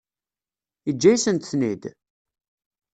Yeǧǧa-yasent-ten-id?